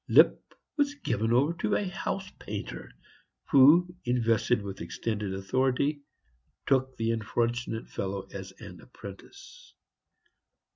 Lipp was given over to a house painter, who, invested with extended authority, took the unfortunate fellow as an apprentice.